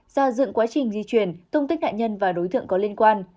gia dựng quá trình di chuyển thông tin nạn nhân và đối tượng có liên quan